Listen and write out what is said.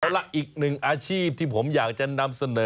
เอาล่ะอีกหนึ่งอาชีพที่ผมอยากจะนำเสนอ